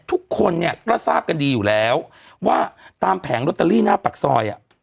ทุกคนเนี่ยก็ทราบกันดีอยู่แล้วว่าตามแผงลอตเตอรี่หน้าปากซอย